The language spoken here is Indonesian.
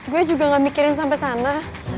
gue juga gak mikirin sampai sana